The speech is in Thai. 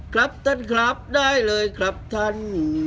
ครับท่านครับได้เลยครับท่าน